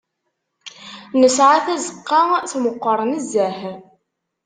Nesɛa tazeqqa tmeqqer nezzeh.